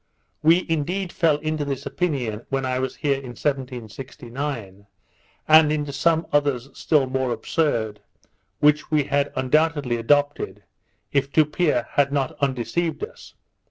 We indeed fell into this opinion when I was here in 1769, and into some others still more absurd, which we had undoubtedly adopted, if Tupia had not undeceived us.